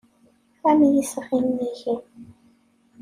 Am yesɣi nnig-i.